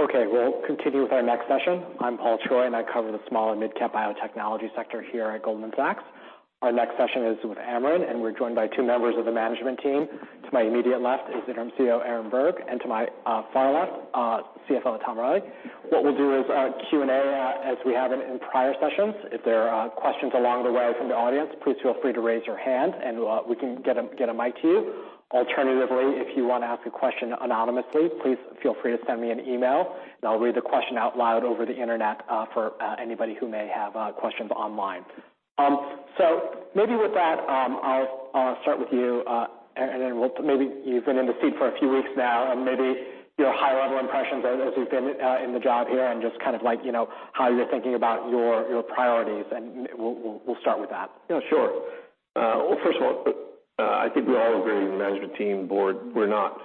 Okay, we'll continue with our next session. I'm Paul Choi, and I cover the small and midcap biotechnology sector here at Goldman Sachs. Our next session is with Amarin, and we're joined by two members of the management team. To my immediate left is Interim CEO, Aaron Berg, and to my far left, CFO, Tom Reilly. What we'll do is a Q&A, as we have in prior sessions. If there are questions along the way from the audience, please feel free to raise your hand, and we can get a mic to you. Alternatively, if you want to ask a question anonymously, please feel free to send me an email and I'll read the question out loud over the internet for anybody who may have questions online. Maybe with that, I'll start with you, and then maybe you've been in the seat for a few weeks now, and maybe your high-level impressions as you've been, in the job here and just kind of like, you know, how you're thinking about your priorities, and we'll start with that. Sure. Well, first of all, I think we all agree, the management team, board, we're not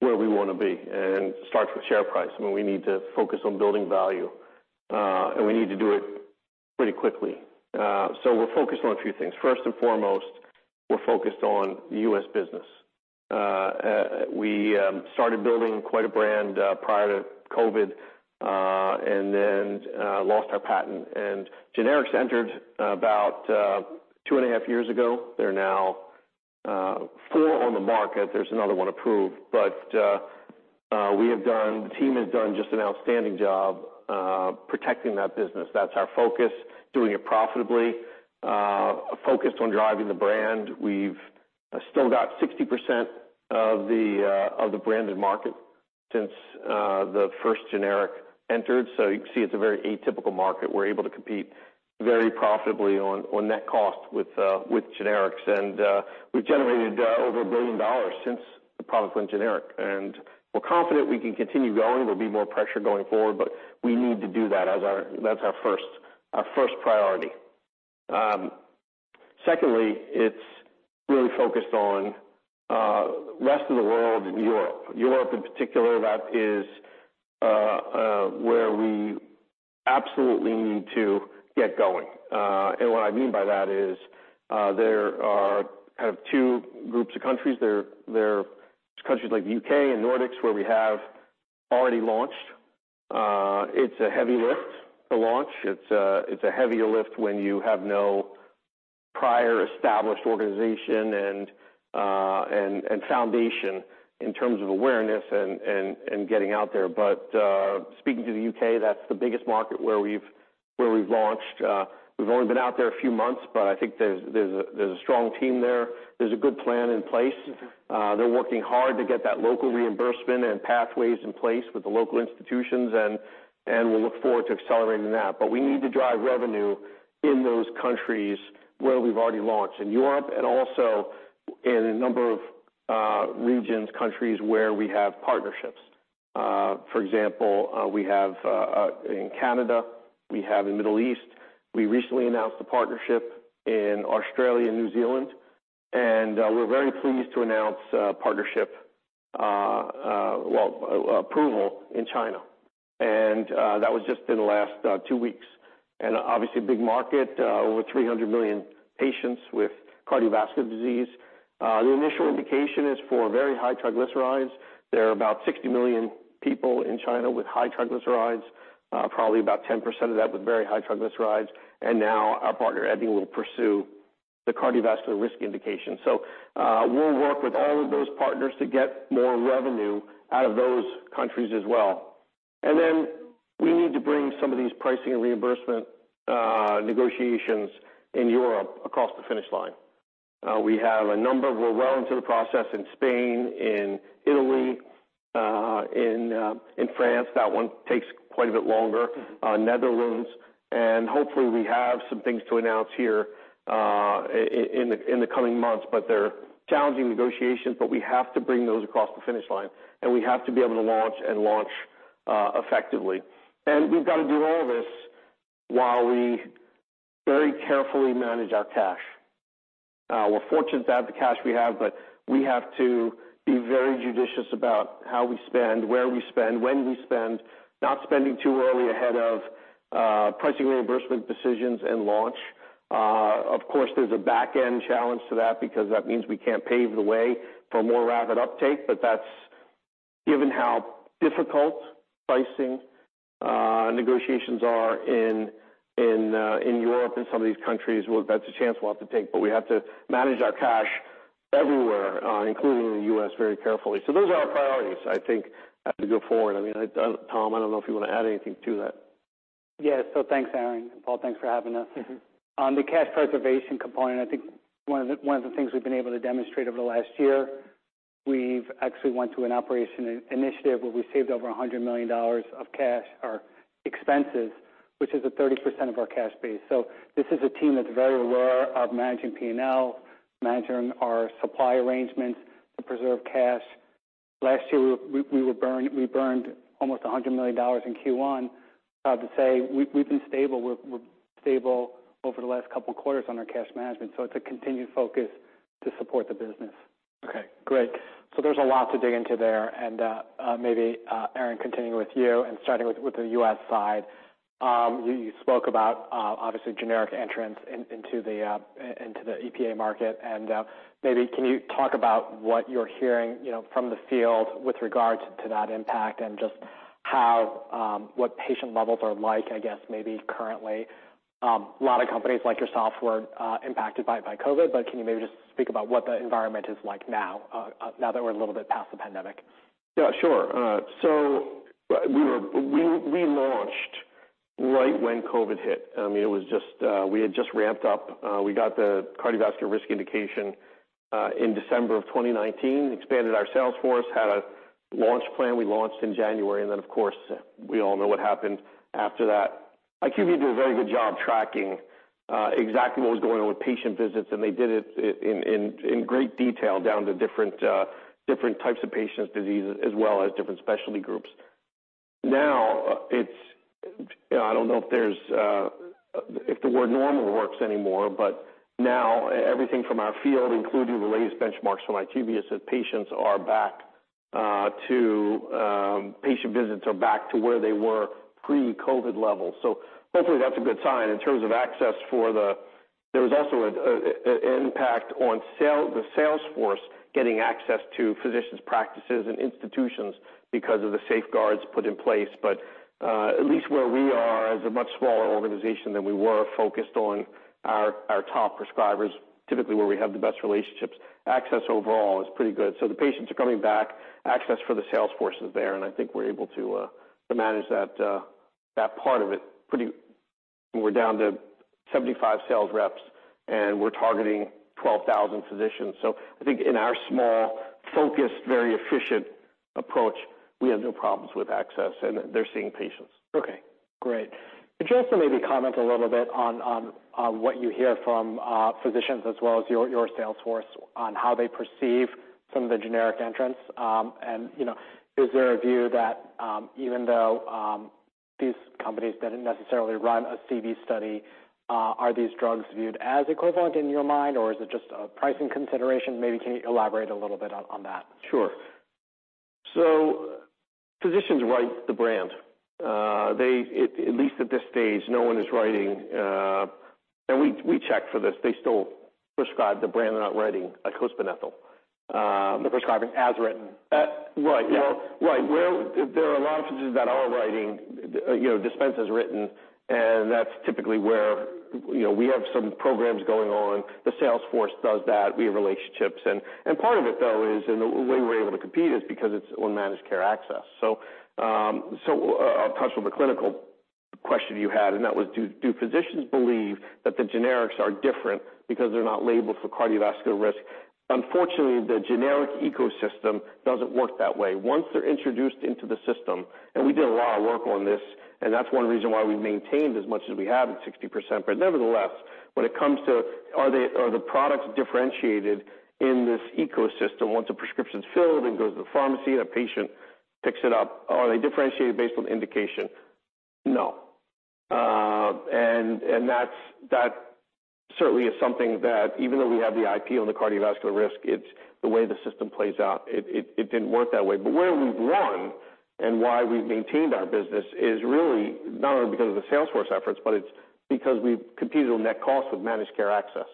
where we wanna be. It starts with share price. I mean, we need to focus on building value. We need to do it pretty quickly. We're focused on a few things. First and foremost, we're focused on the U.S. business. We started building quite a brand prior to COVID, and then lost our patent. Generics entered about 2.5 years ago. There are now 4 on the market. There's another 1 approved. The team has done just an outstanding job protecting that business. That's our focus, doing it profitably, focused on driving the brand. We've still got 60% of the branded market since the first generic entered. You can see it's a very atypical market. We're able to compete very profitably on net cost with generics. We've generated over $1 billion since the product went generic, and we're confident we can continue growing. There'll be more pressure going forward, that's our first priority. Secondly, it's really focused on rest of the world and Europe. Europe in particular, that is where we absolutely need to get going. What I mean by that is there are kind of two groups of countries. There's countries like the U.K. and Nordics, where we have already launched. It's a heavy lift to launch. It's a heavier lift when you have no prior established organization and foundation in terms of awareness and getting out there. Speaking to the U.K., that's the biggest market where we've launched. We've only been out there a few months, but I think there's a strong team there. There's a good plan in place. They're working hard to get that local reimbursement and pathways in place with the local institutions, and we look forward to accelerating that. We need to drive revenue in those countries where we've already launched, in Europe and also in a number of regions, countries where we have partnerships. For example, we have in Canada, we have in Middle East. We recently announced a partnership in Australia and New Zealand, we're very pleased to announce a partnership, well, approval in China. That was just in the last two weeks. Obviously, a big market, over 300 million patients with cardiovascular disease. The initial indication is for very high triglycerides. There are about 60 million people in China with high triglycerides, probably about 10% of that with very high triglycerides. Now our partner, Eddingpharm, will pursue the cardiovascular risk indication. We'll work with all of those partners to get more revenue out of those countries as well. Then we need to bring some of these pricing and reimbursement negotiations in Europe across the finish line. We have a number. We're well into the process in Spain, in Italy, in France. That one takes quite a bit longer, Netherlands. Hopefully, we have some things to announce here, in the coming months. They're challenging negotiations, but we have to bring those across the finish line, and we have to be able to launch and launch, effectively. We've got to do all this while we very carefully manage our cash. We're fortunate to have the cash we have, but we have to be very judicious about how we spend, where we spend, when we spend, not spending too early ahead of pricing reimbursement decisions and launch. Of course, there's a back-end challenge to that because that means we can't pave the way for more rapid uptake, but that's given how difficult pricing negotiations are in Europe and some of these countries, well, that's a chance we'll have to take. We have to manage our cash everywhere, including in the U.S., very carefully. Those are our priorities, I think, to go forward. I mean, Tom, I don't know if you want to add anything to that. Yes. thanks, Aaron. Paul, thanks for having us. Mm-hmm. On the cash preservation component, I think one of the things we've been able to demonstrate over the last year, we've actually went through an operation initiative where we saved over $100 million of cash or expenses, which is a 30% of our cash base. This is a team that's very aware of managing P&L, managing our supply arrangements to preserve cash. Last year, we burned almost $100 million in Q1. To say we've been stable, we're stable over the last couple of quarters on our cash management, so it's a continued focus to support the business. Okay, great. There's a lot to dig into there. Maybe Aaron, continuing with you and starting with the U.S. side. You spoke about obviously generic entrants into the EPA market. Maybe can you talk about what you're hearing, you know, from the field with regard to that impact and just how what patient levels are like, I guess, maybe currently? A lot of companies like yourself were impacted by COVID, can you maybe just speak about what the environment is like now that we're a little bit past the pandemic? Sure. We launched right when COVID hit. I mean, it was just, we had just ramped up. We got the cardiovascular risk indication in December of 2019, expanded our sales force, had a launch plan. We launched in January. Of course, we all know what happened after that. IQVIA did a very good job tracking exactly what was going on with patient visits, and they did it in great detail down to different types of patients, diseases, as well as different specialty groups. Now, it's, I don't know if there's, if the word normal works anymore, but now everything from our field, including the latest benchmarks from IQVIA, said patients are back to Patient visits are back to where they were pre-COVID levels. Hopefully, that's a good sign in terms of access. There was also an impact on sale, the sales force, getting access to physicians, practices, and institutions because of the safeguards put in place. At least where we are, as a much smaller organization than we were, focused on our top prescribers, typically, where we have the best relationships, access overall is pretty good. The patients are coming back. Access for the sales force is there, and I think we're able to manage that part of it pretty. We're down to 75 sales reps, and we're targeting 12,000 physicians. I think in our small, focused, very efficient approach, we have no problems with access, and they're seeing patients. Okay, great. Could you also maybe comment a little bit on what you hear from physicians as well as your sales force on how they perceive some of the generic entrants? You know, is there a view that, even though, these companies didn't necessarily run a CV study, are these drugs viewed as equivalent in your mind, or is it just a pricing consideration? Maybe can you elaborate a little bit on that? Sure. Physicians write the brand. They, at least at this stage, no one is writing. We checked for this. They still prescribe the brand, they're not writing icosapent ethyl. They're prescribing as written. Right. Yeah. Well, right. There are a lot of physicians that are writing, you know, dispense as written, and that's typically where, you know, we have some programs going on. The sales force does that. We have relationships. Part of it, though, is, and the way we're able to compete is because it's on managed care access. I'll touch on the clinical question you had, and that was, do physicians believe that the generics are different because they're not labeled for cardiovascular risk? Unfortunately, the generic ecosystem doesn't work that way. Once they're introduced into the system, and we did a lot of work on this, and that's one reason why we've maintained as much as we have at 60%. Nevertheless, when it comes to are the products differentiated in this ecosystem, once a prescription is filled and goes to the pharmacy, and a patient picks it up, are they differentiated based on indication? No. That's, that certainly is something that even though we have the IP on the cardiovascular risk, it's the way the system plays out. It didn't work that way. Where we've won and why we've maintained our business is really not only because of the sales force efforts, but it's because we've competed on net cost with managed care access.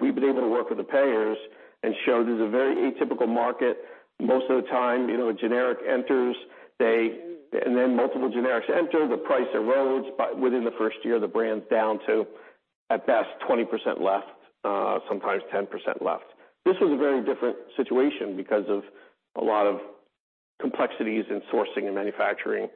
We've been able to work with the payers and show this is a very atypical market. Most of the time, you know, a generic enters, then multiple generics enter, the price erodes. within the first year, the brand's down to, at best, 20% left, sometimes 10% left. This is a very different situation because of a lot of complexities in sourcing and manufacturing.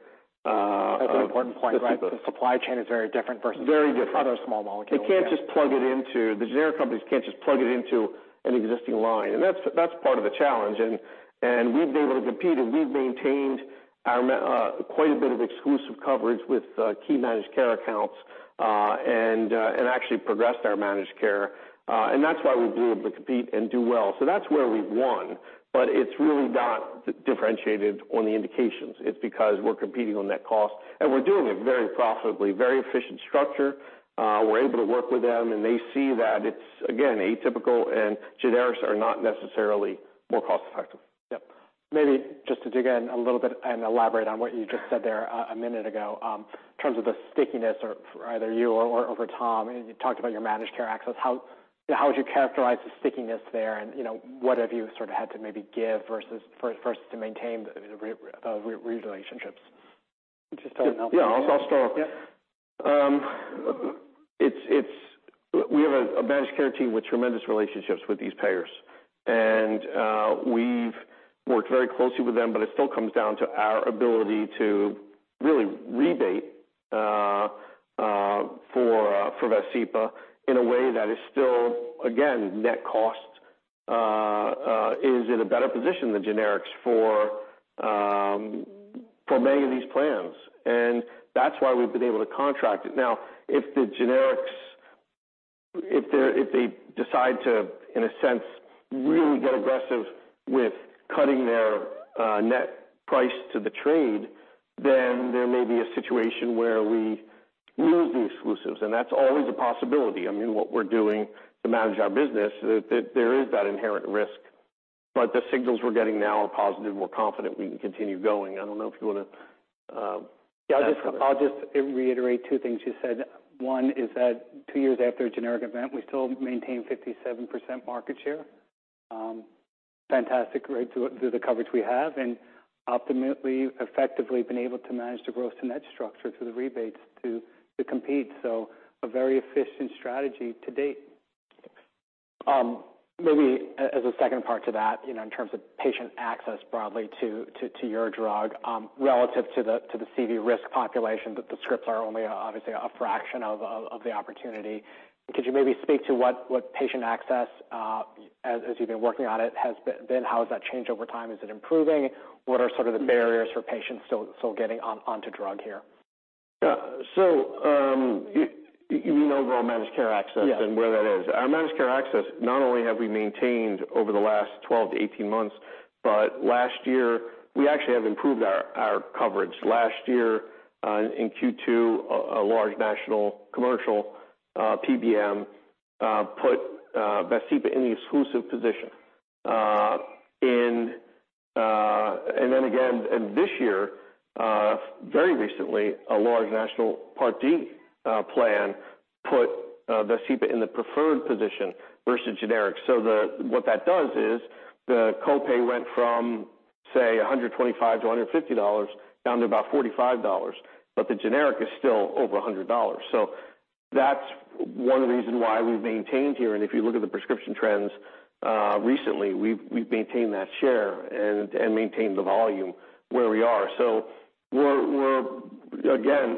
That's an important point, right? The supply chain is very different. Very different. Other small molecules. The generic companies can't just plug it into an existing line, and that's part of the challenge. We've been able to compete, and we've maintained our quite a bit of exclusive coverage with key managed care accounts, and actually progressed our managed care. That's why we've been able to compete and do well. That's where we've won, but it's really not differentiated on the indications. It's because we're competing on net cost, and we're doing it very profitably, very efficient structure. We're able to work with them, and they see that it's, again, atypical and generics are not necessarily more cost-effective. Yep. Maybe just to dig in a little bit and elaborate on what you just said there a minute ago, in terms of the stickiness or either you or Tom, you talked about your managed care access. How would you characterize the stickiness there, and, you know, what have you sort of had to maybe give versus to maintain the relationships? Just tell. Yeah. I'll start. Yep. We have a managed care team with tremendous relationships with these payers, and we've worked very closely with them, but it still comes down to our ability to really rebate for VASCEPA in a way that is still, again, net cost is in a better position than generics for many of these plans. That's why we've been able to contract it. If the generics, if they decide to, in a sense, really get aggressive with cutting their net price to the trade, then there may be a situation where the exclusives, and that's always a possibility. I mean, what we're doing to manage our business, that there is that inherent risk. The signals we're getting now are positive. We're confident we can continue going. I don't know if you want to. Yeah, I'll just reiterate 2 things you said. One is that 2 years after a generic event, we still maintain 57% market share. Fantastic rate through the coverage we have, and optimally, effectively been able to manage the gross to net structure through the rebates to compete. A very efficient strategy to date. Maybe as a second part to that, you know, in terms of patient access broadly to your drug, relative to the CV risk population, but the scripts are only obviously a fraction of the opportunity. Could you maybe speak to what patient access as you've been working on it has been, how has that changed over time? Is it improving? What are sort of the barriers for patients still getting onto drug here? Yeah. You mean overall managed care access- Yes. Where that is? Our managed care access, not only have we maintained over the last 12-18 months, but last year, we actually have improved our coverage. Last year, in Q2, a large national commercial PBM put VASCEPA in the exclusive position. Again, in this year, very recently, a large national Part D plan put VASCEPA in the preferred position versus generics. What that does is the copay went from, say, $125-$150, down to about $45, but the generic is still over $100. That's one reason why we've maintained here. If you look at the prescription trends, recently, we've maintained that share and maintained the volume where we are. We're, again,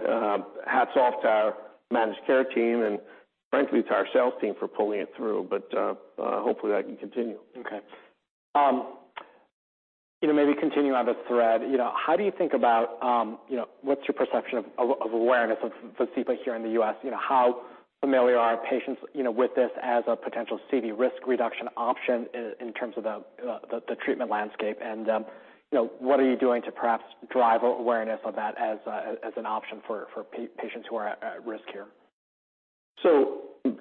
hats off to our managed care team and frankly, to our sales team for pulling it through, hopefully, that can continue. Okay. You know, maybe continuing on the thread, you know, how do you think about, you know, what's your perception of awareness of VASCEPA here in the U.S.? You know, how familiar are patients, you know, with this as a potential CV risk reduction option in terms of the treatment landscape? What are you doing to perhaps drive awareness of that as an option for patients who are at risk here?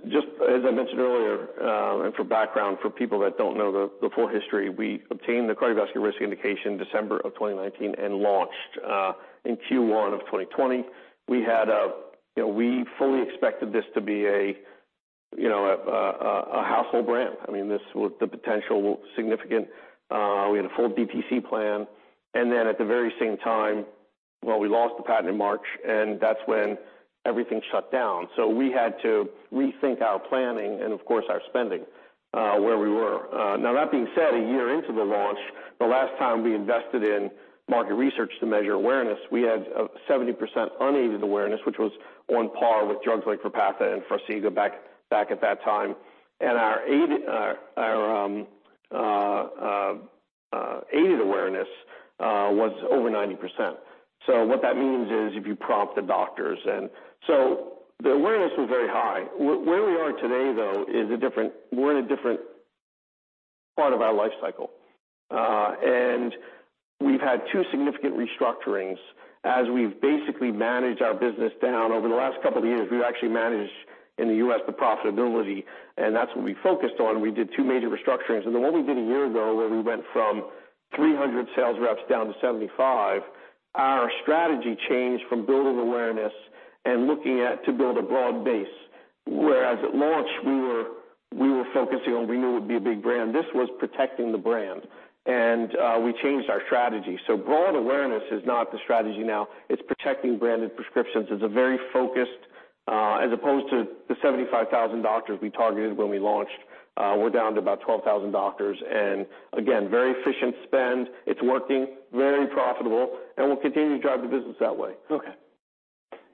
Just as I mentioned earlier, and for background, for people that don't know the full history, we obtained the cardiovascular risk indication December of 2019 and launched in Q1 of 2020. You know, we fully expected this to be a, you know, a household brand. I mean, this was the potential significant. We had a full DPC plan, and then at the very same time, well, we lost the patent in March, and that's when everything shut down. We had to rethink our planning and, of course, our spending, where we were. Now that being said, a year into the launch, the last time we invested in market research to measure awareness, we had a 70% unaided awareness, which was on par with drugs like Repatha and Farxiga back at that time. Our aided awareness was over 90%. What that means is if you prompt the doctors. The awareness was very high. Where we are today, though, is we're in a different part of our life cycle. We've had two significant restructurings as we've basically managed our business down. Over the last couple of years, we've actually managed in the US, the profitability, and that's what we focused on. We did two major restructurings. The one we did a year ago, where we went from 300 sales reps down to 75, our strategy changed from building awareness and looking at to build a broad base. At launch, we were focusing on we knew it would be a big brand. This was protecting the brand, and we changed our strategy. Broad awareness is not the strategy now. It's protecting branded prescriptions. It's a very focused, as opposed to the 75,000 doctors we targeted when we launched, we're down to about 12,000 doctors, and again, very efficient spend. It's working, very profitable, and we'll continue to drive the business that way. Okay.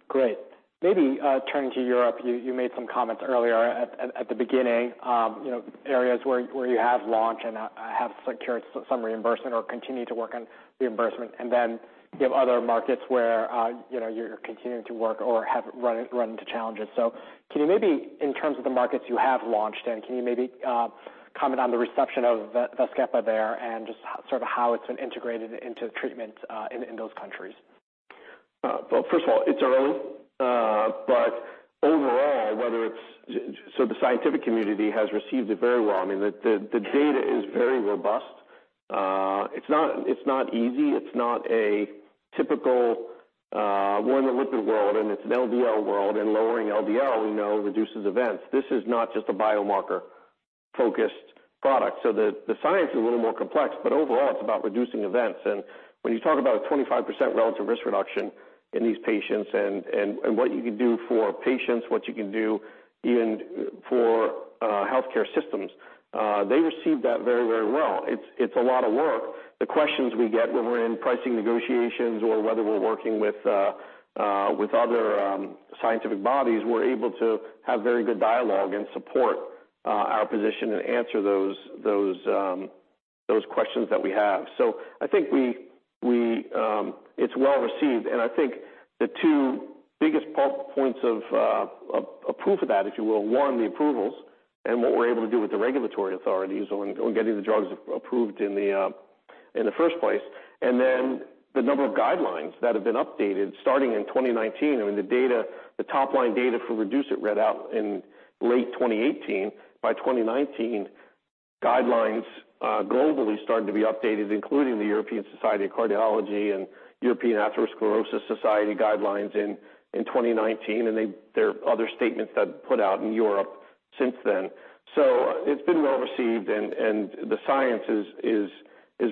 Great. Maybe, turning to Europe, you made some comments earlier at the beginning, you know, areas where you have launched and have secured some reimbursement or continue to work on reimbursement, and then you have other markets where, you know, you're continuing to work or have run into challenges. Can you maybe, in terms of the markets you have launched in, can you maybe, comment on the reception of VASCEPA there and just sort of how it's been integrated into treatment in those countries? Well, first of all, it's our own. Overall, the scientific community has received it very well. I mean, the data is very robust. It's not, it's not easy. It's not a typical, we're in the lipid world, and it's an LDL world, and lowering LDL, we know, reduces events. This is not just a biomarker-focused product, so the science is a little more complex, but overall, it's about reducing events. When you talk about a 25% relative risk reduction in these patients and what you can do for patients, what you can do even for healthcare systems, they receive that very, very well. It's a lot of work. The questions we get when we're in pricing negotiations or whether we're working with other scientific bodies, we're able to have very good dialogue and support our position and answer those questions that we have. I think we It's well received, and I think the two biggest pulp points of proof of that, if you will, one, the approvals and what we're able to do with the regulatory authorities on getting the drugs approved in the first place, and then the number of guidelines that have been updated starting in 2019. I mean, the data, the top-line data for REDUCE-IT read out in late 2018. By 2019, guidelines globally started to be updated, including the European Society of Cardiology and European Atherosclerosis Society guidelines in 2019, there are other statements that put out in Europe since then. It's been well received and the science is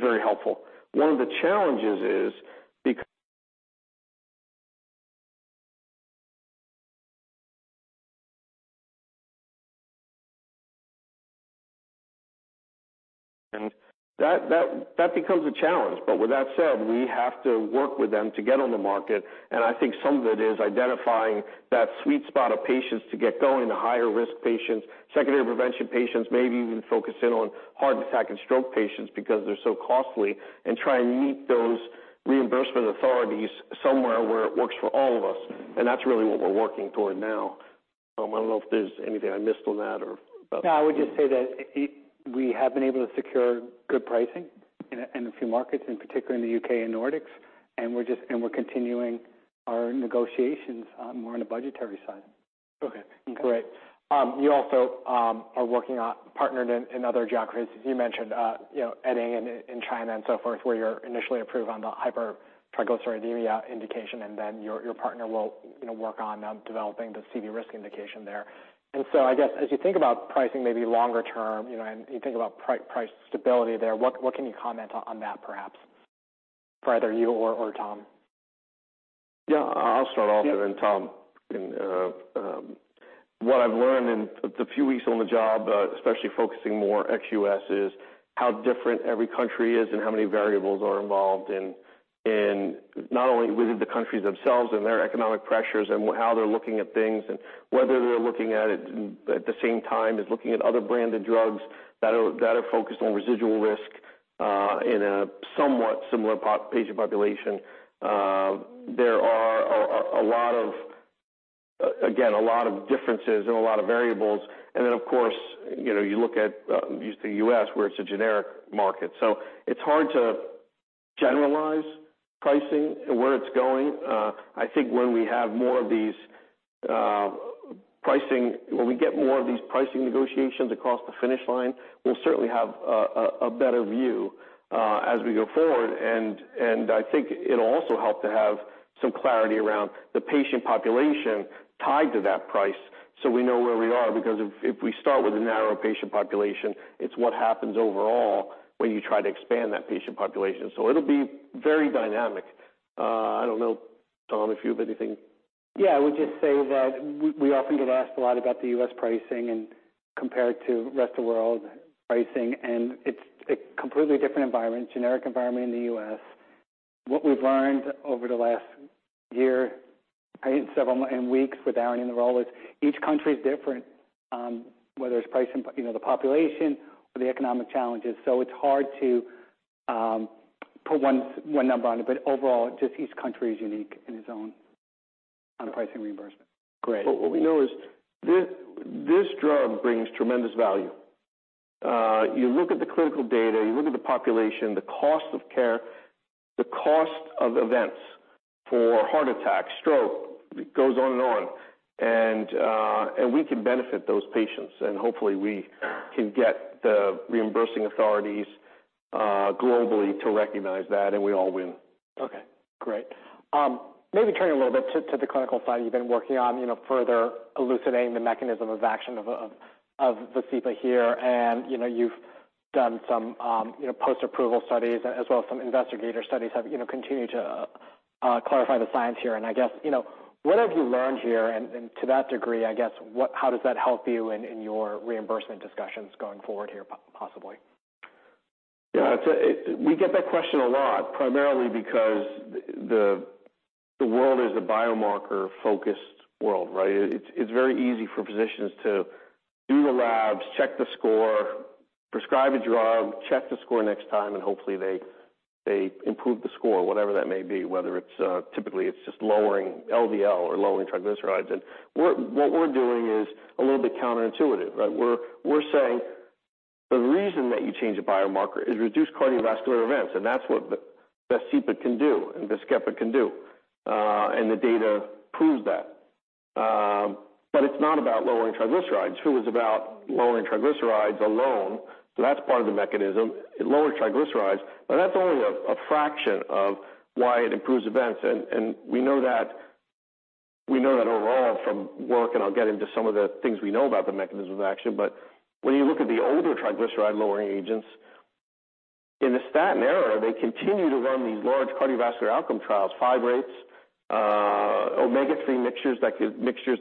very helpful. One of the challenges is because... and that becomes a challenge. With that said, we have to work with them to get on the market, and I think some of it is identifying that sweet spot of patients to get going, the higher-risk patients, secondary prevention patients, maybe even focus in on heart attack and stroke patients because they're so costly, and try and meet those reimbursement authorities somewhere where it works for all of us. That's really what we're working toward now. I don't know if there's anything I missed on that or. I would just say that it, we have been able to secure good pricing in a, in a few markets, in particular in the UK and Nordics, we're continuing our negotiations more on the budgetary side. Okay, great. You also are working on partnered in other geographies, as you mentioned, you know, Eddingpharm in China and so forth, where you're initially approved on the hypertriglyceridemia indication, and then your partner will, you know, work on developing the CV risk indication there. I guess, as you think about pricing, maybe longer term, you know, and you think about price stability there, what can you comment on that perhaps? For either you or Tom. Yeah, I'll start. Yeah. Tom, what I've learned in the few weeks on the job, especially focusing more ex-U.S., is how different every country is and how many variables are involved in not only within the countries themselves and their economic pressures and how they're looking at things, and whether they're looking at it at the same time as looking at other branded drugs that are focused on residual risk in a somewhat similar patient population. There are a lot of, again, a lot of differences and a lot of variables. Of course, you know, you look at the U.S., where it's a generic market. It's hard to generalize pricing and where it's going. I think when we have more of these pricing, when we get more of these pricing negotiations across the finish line, we'll certainly have a better view as we go forward. I think it'll also help to have some clarity around the patient population tied to that price, so we know where we are. If we start with a narrow patient population, it's what happens overall when you try to expand that patient population. It'll be very dynamic. I don't know, Tom, if you have anything. I would just say that we often get asked a lot about the U.S. pricing and compared to rest of the world pricing. It's a completely different environment, generic environment in the U.S. What we've learned over the last year, several weeks with Aaron in the role, is each country is different, whether it's pricing, you know, the population or the economic challenges. It's hard to put one number on it. Overall, just each country is unique in its own on pricing reimbursement. Great. What we know is this drug brings tremendous value. You look at the clinical data, you look at the population, the cost of care, the cost of events for heart attack, stroke, it goes on and on. We can benefit those patients, and hopefully, we can get the reimbursing authorities globally to recognize that, and we all win. Okay, great. Maybe turning a little bit to the clinical side, you've been working on, you know, further elucidating the mechanism of action of VASCEPA here. You know, you've done some, you know, post-approval studies as well as some investigator studies have, you know, continued to clarify the science here. I guess, you know, what have you learned here? To that degree, I guess, how does that help you in your reimbursement discussions going forward here, possibly? We get that question a lot, primarily because the world is a biomarker-focused world, right? It's very easy for physicians to do the labs, check the score, prescribe a drug, check the score next time, and hopefully they improve the score, whatever that may be, whether it's, typically it's just lowering LDL or lowering triglycerides. What we're doing is a little bit counterintuitive, right? We're saying the reason that you change a biomarker is reduced cardiovascular events, and that's what VASCEPA can do and VASCEPA can do. The data proves that. It's not about lowering triglycerides. True, it's about lowering triglycerides alone, that's part of the mechanism. It lowers triglycerides, that's only a fraction of why it improves events. We know that overall from work, and I'll get into some of the things we know about the mechanism of action. When you look at the older triglyceride-lowering agents, in the statin era, they continue to run these large cardiovascular outcome trials, fibrates, omega-3 mixtures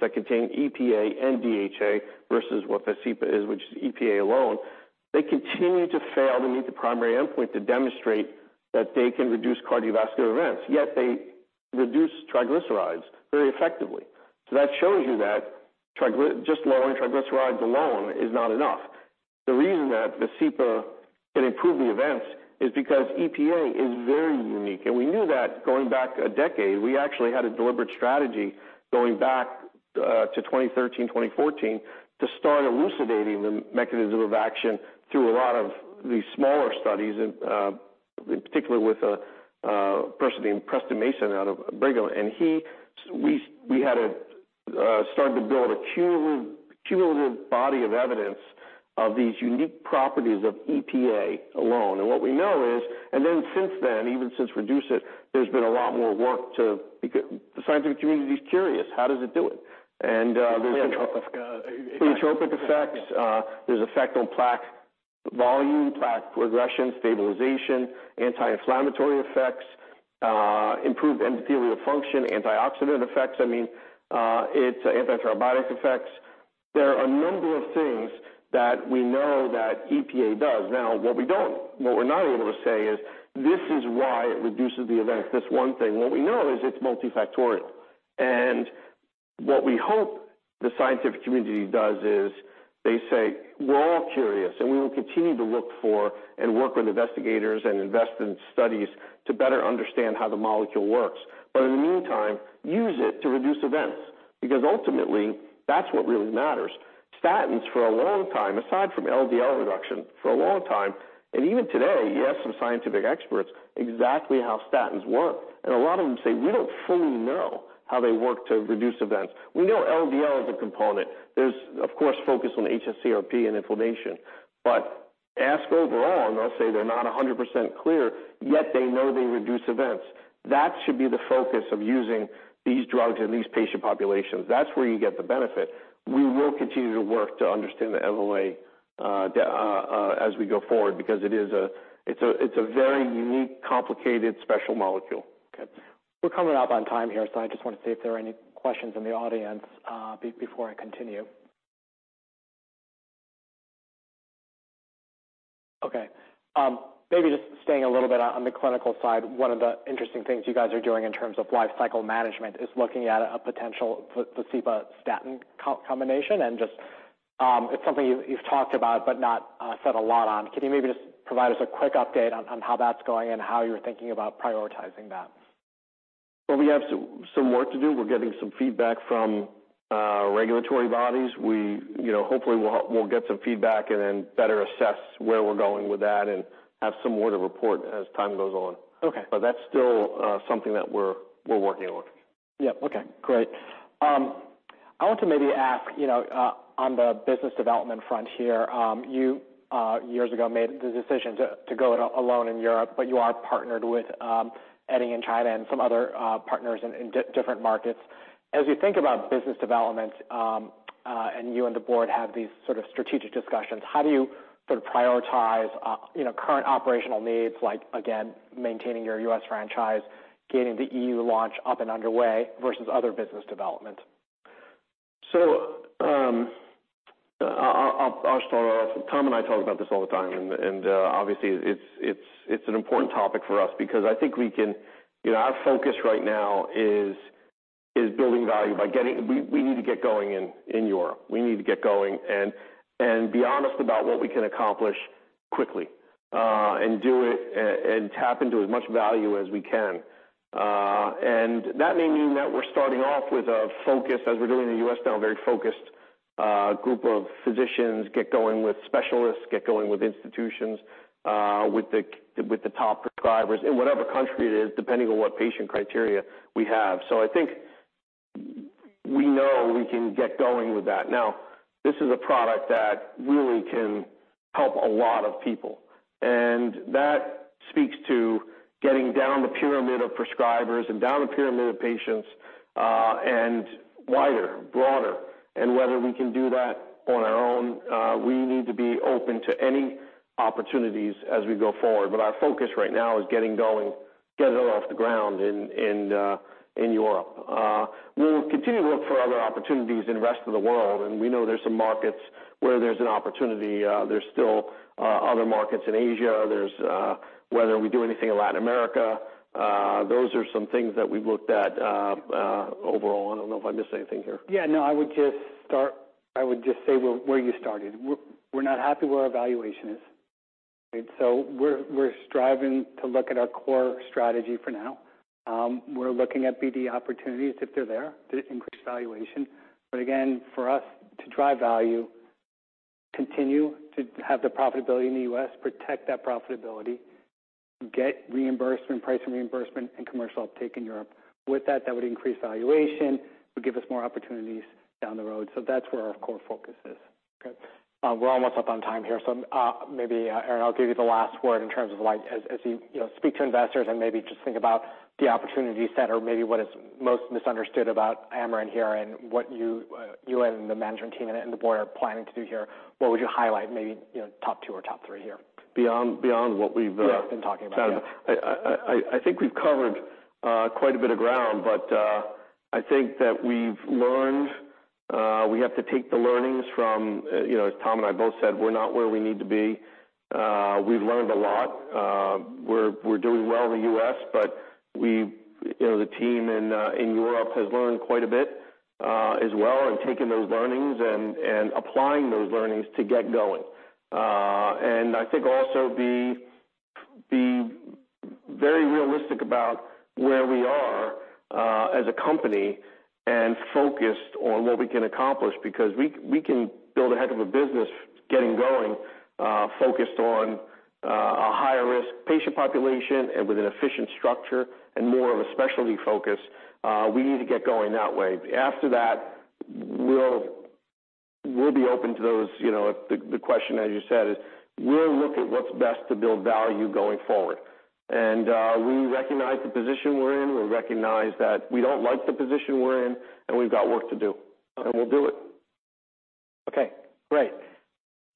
that contain EPA and DHA versus what VASCEPA is, which is EPA alone. They continue to fail to meet the primary endpoint to demonstrate that they can reduce cardiovascular events, yet they reduce triglycerides very effectively. That shows you that just lowering triglycerides alone is not enough. The reason that VASCEPA can improve the events is because EPA is very unique, and we knew that going back a decade. We actually had a deliberate strategy going back to 2013, 2014, to start elucidating the mechanism of action through a lot of these smaller studies and, in particular with a person named Preston Mason out of Brigham, we had to start to build a cumulative body of evidence of these unique properties of EPA alone. What we know, and then since then, even since REDUCE-IT, there's been a lot more work. The scientific community is curious, how does it do it? Tropic effects. There's effect on plaque volume, plaque regression, stabilization, anti-inflammatory effects, improved endothelial function, antioxidant effects. I mean, it's antibiotic effects. There are a number of things that we know that EPA does. Now, what we don't, what we're not able to say is, this is why it reduces the events, this one thing. What we know is it's multifactorial, and what we hope the scientific community does is they say, we're all curious, and we will continue to look for and work with investigators and invest in studies to better understand how the molecule works. In the meantime, use it to reduce events, because ultimately, that's what really matters. Statins, for a long time, aside from LDL reduction, for a long time, and even today, you ask some scientific experts exactly how statins work, and a lot of them say, we don't fully know how they work to reduce events. We know LDL is a component. Ask overall, and they'll say they're not 100% clear, yet they know they reduce events. That should be the focus of using these drugs in these patient populations. That's where you get the benefit. We will continue to work to understand the MOA as we go forward, because it's a very unique, complicated, special molecule. Okay. We're coming up on time here, so I just want to see if there are any questions in the audience before I continue. Okay, maybe just staying a little bit on the clinical side. One of the interesting things you guys are doing in terms of life cycle management is looking at a potential Plavix statin co-combination, and just, it's something you've talked about but not said a lot on. Can you maybe just provide us a quick update on how that's going and how you're thinking about prioritizing that? We have some work to do. We're getting some feedback from regulatory bodies. We, you know, hopefully we'll get some feedback and then better assess where we're going with that and have some more to report as time goes on. Okay. That's still, something that we're working on. Yeah. Okay, great. I want to maybe ask, you know, on the business development front here, you years ago made the decision to go it alone in Europe, but you are partnered with Eddingpharm in China and some other partners in different markets. As you think about business development, and you and the board have these sort of strategic discussions, how do you sort of prioritize, you know, current operational needs, like, again, maintaining your U.S. franchise, getting the EU launch up and underway versus other business development? I'll start off. Tom and I talk about this all the time, and, obviously, it's an important topic for us because I think we can. You know, our focus right now is building value by getting, we need to get going in Europe. We need to get going and be honest about what we can accomplish quickly, and do it and tap into as much value as we can. That may mean that we're starting off with a focus, as we're doing in the U.S. now, a very focused group of physicians, get going with specialists, get going with institutions, with the top prescribers in whatever country it is, depending on what patient criteria we have. I think we know we can get going with that. Now, this is a product that really can help a lot of people. That speaks to getting down the pyramid of prescribers and down the pyramid of patients, and wider, broader. Whether we can do that on our own, we need to be open to any opportunities as we go forward. Our focus right now is getting going, getting it off the ground in Europe. We'll continue to look for other opportunities in the rest of the world, and we know there's some markets where there's an opportunity. There's still other markets in Asia. There's whether we do anything in Latin America, those are some things that we've looked at overall. I don't know if I missed anything here. No, I would just say where you started. We're not happy where our valuation is. We're striving to look at our core strategy for now. We're looking at BD opportunities, if they're there, to increase valuation. Again, for us to drive value, continue to have the profitability in the U.S., protect that profitability, get reimbursement, price and reimbursement, and commercial uptake in Europe. With that would increase valuation, would give us more opportunities down the road. That's where our core focus is. Okay. We're almost up on time here, so, maybe Aaron, I'll give you the last word in terms of like, as you know, speak to investors and maybe just think about the opportunities that are maybe what is most misunderstood about Amarin here and what you and the management team and the board are planning to do here. What would you highlight, maybe, you know, top two or top three here? Beyond what we've. Yes, been talking about. I think we've covered quite a bit of ground. I think that we've learned, we have to take the learnings from, you know, as Tom and I both said, we're not where we need to be. We've learned a lot. We're doing well in the U.S., but we, you know, the team in Europe has learned quite a bit as well, and taking those learnings and applying those learnings to get going. I think also be very realistic about where we are as a company and focused on what we can accomplish, because we can build a heck of a business getting going, focused on a higher-risk patient population and with an efficient structure and more of a specialty focus. We need to get going that way. After that, we'll be open to those, you know, the question, as you said, is we'll look at what's best to build value going forward. We recognize the position we're in. We recognize that we don't like the position we're in, and we've got work to do, and we'll do it. Okay, great.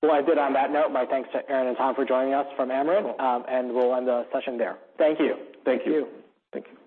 Well, I did on that note, my thanks to Aaron and Tom for joining us from Amarin, and we'll end the session there. Thank you. Thank you. Thank you.